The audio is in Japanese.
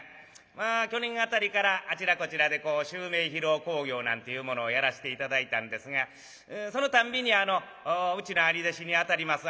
まあ去年辺りからあちらこちらで襲名披露興行なんていうものをやらして頂いたんですがそのたんびにうちの兄弟子にあたります